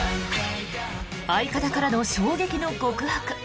相方からの衝撃の告白。